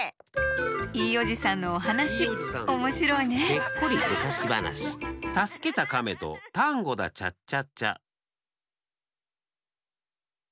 いいおじさんのおはなしおもしろいねたすけたかめとタンゴだチャッチャッチャッ。